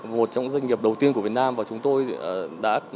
một trong doanh nghiệp đầu tiên của việt nam và chúng tôi đã